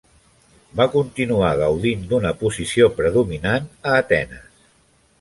Va continuar gaudint d'una posició predominant a Atenes.